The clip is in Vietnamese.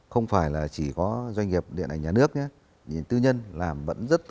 không phải là chỉ có doanh nghiệp điện ảnh nhà nước nhé tư nhân làm vẫn rất tốt